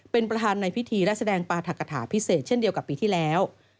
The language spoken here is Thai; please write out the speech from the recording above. เป็นประธานในพิธีและแสดงปราธกฐาพิเศษเช่นเดียวกับปีที่แล้ว